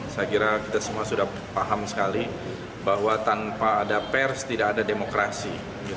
saya kira kita semua sudah paham sekali bahwa tanpa ada pers tidak ada demokrasi